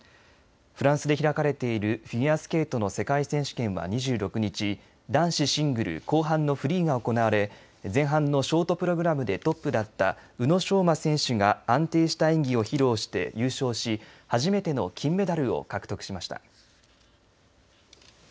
フランスで開かれているフィギュアスケートの世界選手権は２６日男子シングル後半のフリーが行われ前半のショートプログラムでトップだった宇野昌磨選手が安定した演技を披露して優勝し初めての金メダルを獲得しました。